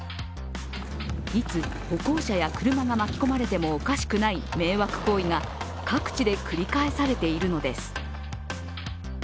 いつ歩行者や車が巻き込まれてもおかしくない迷惑行為が各地で繰り返されているのです。